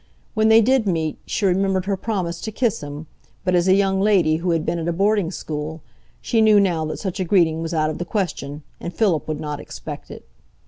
When they did meet, she remembered her promise to kiss him, but, as a young lady who had been at a boarding school, she knew now that such a greeting was out of the question, and Philip would not expect it.